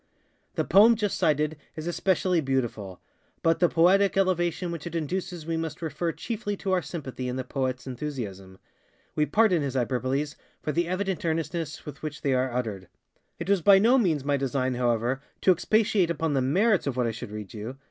ŌĆØ The poem just cited is especially beautiful; but the poetic elevation which it induces we must refer chiefly to our sympathy in the poetŌĆÖs enthusiasm. We pardon his hyperboles for the evident earnestness with which they are uttered. It was by no means my design, however, to expatiate upon the _merits _of what I should read you.